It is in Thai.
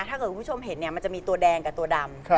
ถ้าคุณผู้ชมเห็นมันจะมีตัวแดงกับตัวดำ